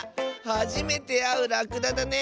はじめてあうらくだだね！